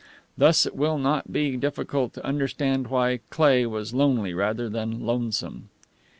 Thus it will not be difficult to understand why Cleigh was lonely rather than lonesome.